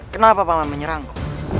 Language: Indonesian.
kenapa paman menyerangku